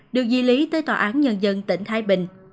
được di lý tới tòa án nhân dân tỉnh thái bình